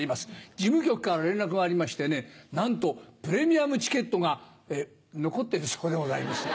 事務局から連絡がありましてねなんとプレミアムチケットが残ってるそうでございます。